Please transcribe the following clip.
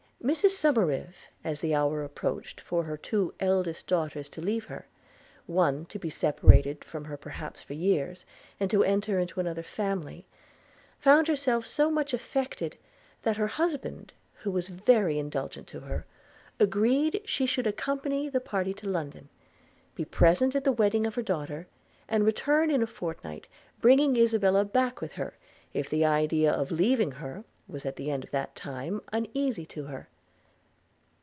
Mrs Somerive, as the hour approached for her two eldest daughters to leave her – one to be separated from her perhaps for years, and to enter into another family – found herself so much affected, that her husband, who was very indulgent to her, agreed she should accompany the party to London, be present at the wedding of her daughter, and return in a fortnight, bringing Isabella back with her, if the idea of leaving her was at the end of that time uneasy to her.